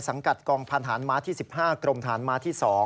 สังกัดกองพันธานม้าที่๑๕กรมฐานม้าที่๒